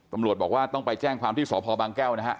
ตำรวจบอกว่าต้องไปแจ้งความที่สพบางแก้วนะฮะ